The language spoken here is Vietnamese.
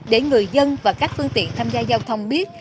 để người dân và các phương tiện tham gia giao thông biết